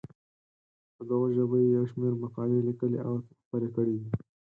په دغو ژبو یې یو شمېر مقالې لیکلي او خپرې کړې دي.